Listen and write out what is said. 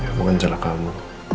ya bukan salah kamu